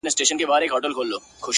o له څو خوښيو او دردو راهيسي ـ